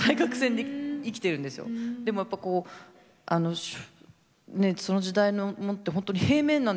でもやっぱこうその時代のものって本当に平面なんですよね。